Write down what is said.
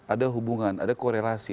ada hubungan ada korelasi